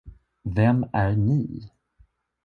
Vem är ni?